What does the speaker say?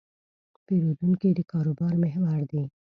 پیرودونکی د کاروبار محور دی.